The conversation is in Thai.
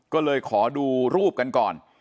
ก็เลยขอดูรูปกันก่อน